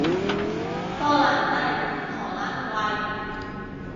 波蘭低，荷蘭貴